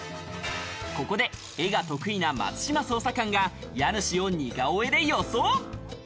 ここで、絵が得意な松島捜査官が家主を似顔絵で予想。